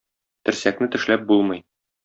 Терсәкне тешләп булмый.